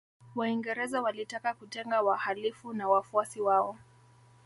Waingereza walitaka kutenga wahalifu na wafuasi wao